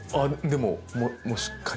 でもしっかり。